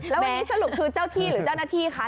แล้ววันนี้สรุปคือเจ้าที่หรือเจ้าหน้าที่คะ